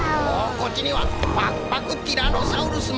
こっちにはパクパクティラノサウルスも。